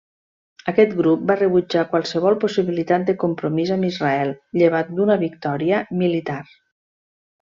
Aquest grup va rebutjar qualsevol possibilitat de compromís amb Israel, llevat d'una victòria militar.